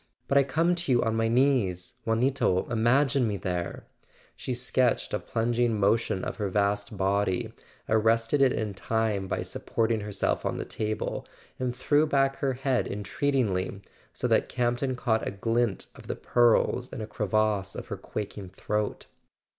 But I come to you on my knees: Juanito, imagine me there !" She sketched a plunging motion of her vast body, ar¬ rested it in time by supporting herself on the table, and threw back her head entreatingly, so that Camp ton caught a glint of the pearls in a crevasse of her quaking throat.